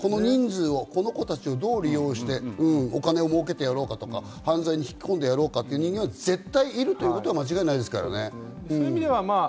この子たちをどう利用して、お金を儲けてやろうかとか、犯罪に引き込んでやろうかという人間は絶対にいることは間違いないですからね。